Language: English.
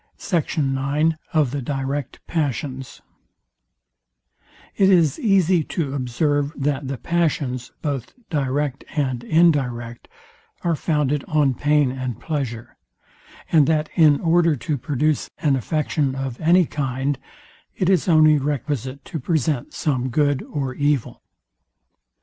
SECT. IX OF THE DIRECT PASSIONS It is easy to observe, that the passions, both direct and indirect, are founded on pain and pleasure, and that in order to produce an affection of any kind, it is only requisite to present some good or evil.